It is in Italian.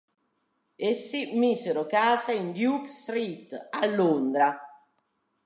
Essi misero casa in Duke Street a Londra.